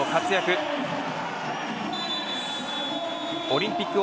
オリンピック